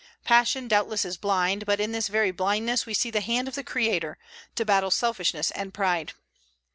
Passion, doubtless, is blind; but in this very blindness we see the hand of the Creator, to baffle selfishness and pride.